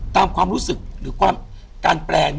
ตามความรู้สึกหรือการแปลง